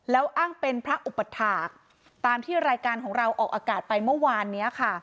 แล้วอ้างเป็นพระอุปถาคตามที่รายการของเราออกอากาศไปเมื่อวานนี้ค่ะ